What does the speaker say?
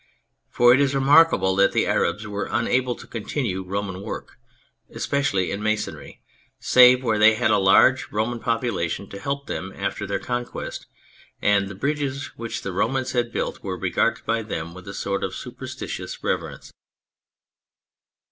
For it is remarkable that the Arabs were unable to continue Roman work, especially in masonry, save where they had a large Roman population to help them after their conquest, and the bridges which the Romans had built were regarded by them with a sort of superstitious reverence.